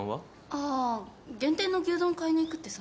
ああ限定の牛丼買いに行くってさ。